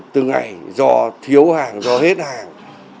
từ ngày do thiếu hàng do hết hàng